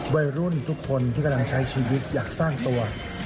วัยรุ่นทุกคนที่กำลังใช้ชีวิตอยากสร้างตัว